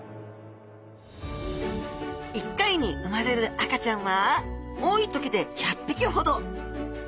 一回に産まれる赤ちゃんは多い時で１００ぴきほど。